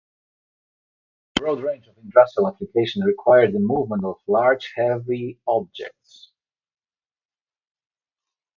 A broad range of industrial applications require the movement of large, heavy objects.